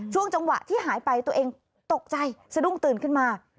ช่วงจังหวะที่หายไปตัวเองตกใจสะดุ้งตื่นขึ้นมา